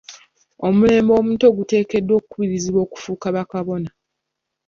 Omulembe omuto guteekeddwa okukubirizibwa okufuuka ba Kabona.